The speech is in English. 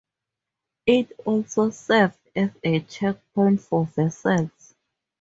It also served as a checkpoint for vessels.